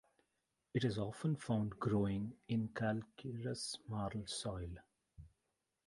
It is often found growing in calcareous marl soil.